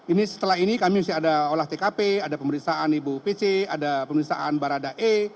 ini setelah ini kami masih ada olah tkp ada pemeriksaan ibu pc ada pemeriksaan barada e